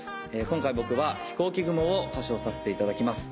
今回僕は『ひこうき雲』を歌唱させていただきます。